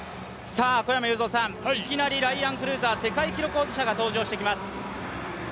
小山裕三さん、いきなりライアン・クルーザー、世界記録保持者が登場してきます。